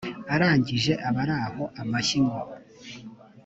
arangije abari aho amashyi ngo